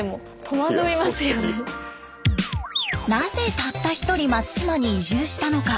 なぜたった１人松島に移住したのか？